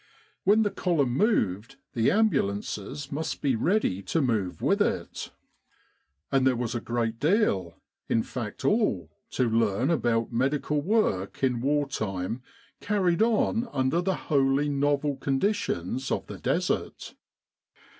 When the column moved the ambul ances must be ready to move with it. And there was a great deal, in fact all, to learn about medical work in war time carried on under the wholly novel con ditions of the Desert.